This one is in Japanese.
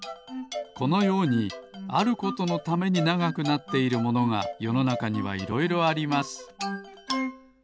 このようにあることのためにながくなっているものがよのなかにはいろいろあります。